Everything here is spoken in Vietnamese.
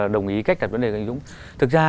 đồng ý cách đặt vấn đề của anh dũng thực ra